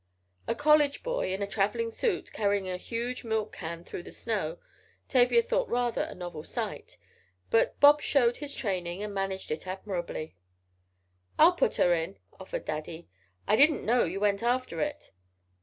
A college boy, in a travelling suit, carrying a huge milk can through the snow, Tavia thought rather a novel sight, but Bob showed his training, and managed it admirably. "I'll put her in," offered Daddy, "I didn't know you went after it."